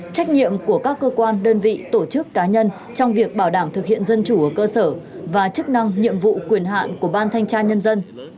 trách nhiệm của các cơ quan đơn vị tổ chức cá nhân trong việc bảo đảm thực hiện dân chủ ở cơ sở và chức năng nhiệm vụ quyền hạn của ban thanh tra nhân dân